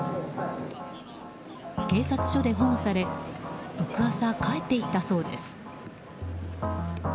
警察署で保護され翌朝、帰っていったそうです。